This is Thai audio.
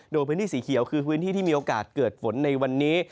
โดยพื้นที่สีเขียวคือพื้นที่ที่มีโอกาสเกิดฝนในวันนี้